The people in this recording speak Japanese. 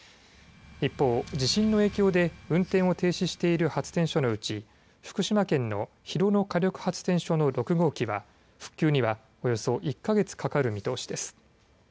一方、地震の影響で運転を停止している発電所のうち福島県の広野火力発電所の６号機は復旧にはおよそ１か月かかる見通しです。